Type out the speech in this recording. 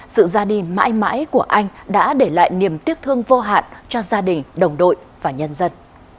sự ra đi mãi mãi của anh đã để lại niềm tiếc thương vô hạn cho gia đình đồng đội và nhân dân